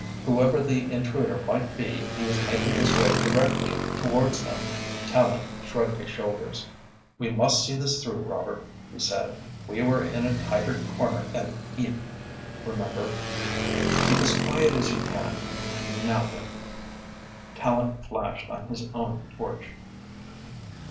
Whoever the intruder might be, he was making his way directly towards them. Tallente shrugged his shoulders. "We must see this through, Robert," he said. "We were in a tighter corner at Ypres, remember. Keep as quiet as you can. Now, then." Tallente flashed on his own torch.